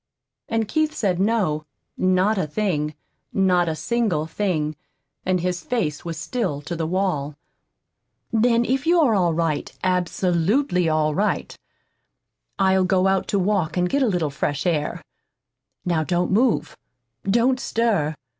And Keith said no, not a thing, not a single thing. And his face was still to the wall. "Then if you're all right, absolutely all right, I'll go out to walk and get a little fresh air. Now don't move. Don't stir.